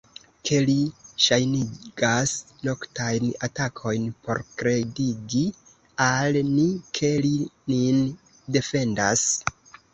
Ke li ŝajnigas noktajn atakojn por kredigi al ni, ke li nin defendas?